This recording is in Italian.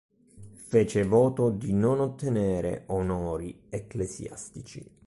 Fece voto di non ottenere onori ecclesiastici.